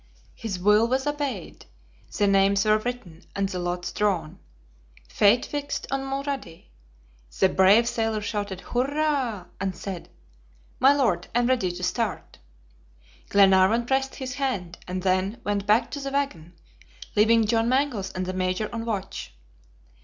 His will was obeyed. The names were written, and the lots drawn. Fate fixed on Mulrady. The brave sailor shouted hurrah! and said: "My Lord, I am ready to start." Glenarvan pressed his hand, and then went back to the wagon, leaving John Mangles and the Major on watch.